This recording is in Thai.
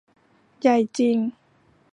ใหญ่จริง